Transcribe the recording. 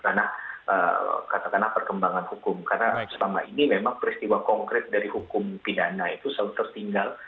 karena selama ini memang peristiwa konkret dari hukum pidana itu selalu tertinggal